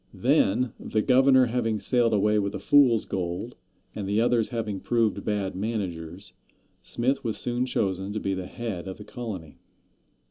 Then, the governor having sailed away with the fool's gold, and the others having proved bad managers, Smith was soon chosen to be head of the colony.